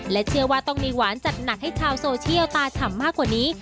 เชื่อว่าต้องมีหวานจัดหนักให้ชาวโซเชียลตาฉ่ำมากกว่านี้